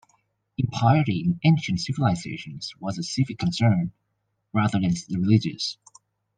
Impiety in ancient civilizations was a civic concern, rather than religious.